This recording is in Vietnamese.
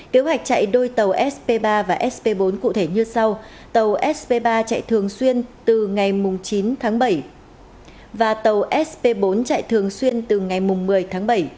kế hoạch chạy đôi tàu sp ba và sp bốn cụ thể như sau tàu sp ba chạy thường xuyên từ ngày chín tháng bảy và tàu sp bốn chạy thường xuyên từ ngày một mươi tháng bảy